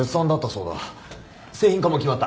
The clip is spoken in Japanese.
製品化も決まった。